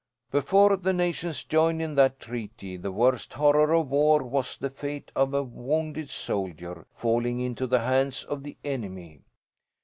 "Before the nations joined in that treaty, the worst horror of war was the fate of a wounded soldier, falling into the hands of the enemy.